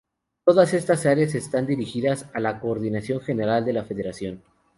Todas estas áreas están dirigidas por la Coordinación General de la Federación.